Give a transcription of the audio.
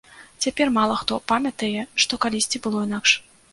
Цяпер мала хто памятае, што калісьці было інакш.